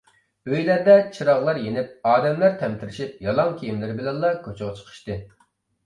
ئۆيلەردە چىراغلار يېنىپ ئادەملەر تەمتىرىشىپ يالاڭ كىيىملىرى بىلەنلا كوچىغا چىقىشتى.